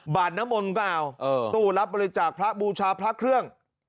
น้ำมนต์ก็เอาตู้รับบริจาคพระบูชาพระเครื่อง